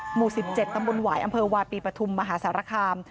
หมู่๑๗ตำบลหวายอำเภอวาปีปฐุมมหาสารคาม